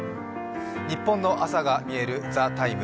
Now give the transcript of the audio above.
ニッポンの朝がみえる「ＴＨＥＴＩＭＥ，」